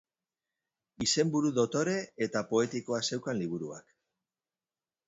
Izenburu dotore eta poetikoa zeukan liburuak.